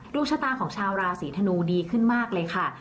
ดวงชะตาของชาวราศีธนูดีขึ้นมากเลยค่ะ